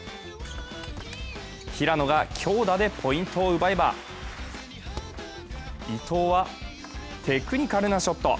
平野が強打でポイントを奪えば、伊藤はテクニカルなショット。